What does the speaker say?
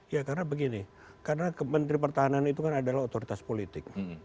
ya karena begini karena menteri pertahanan itu kan adalah otoritas politik